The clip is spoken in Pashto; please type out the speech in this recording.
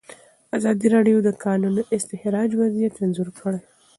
ازادي راډیو د د کانونو استخراج وضعیت انځور کړی.